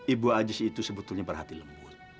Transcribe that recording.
ibu ajis itu sebetulnya berhati lembut